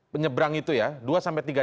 menyebrang itu ya dua sampai tiga jam